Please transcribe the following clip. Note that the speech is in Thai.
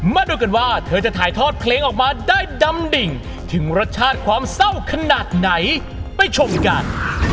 มาดูกันว่าเธอจะถ่ายทอดเพลงออกมาได้ดำดิ่งถึงรสชาติความเศร้าขนาดไหนไปชมกัน